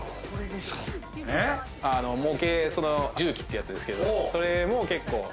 模型、その重機ってやつですけど、それも結構。